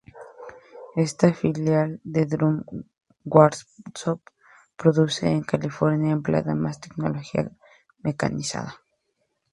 Esta filial de Drum Workshop produce en California empleando más tecnología mecanizada.